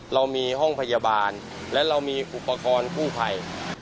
เรามีห้องพยาบาลและเรามีอุปกรณ์กู้ภัย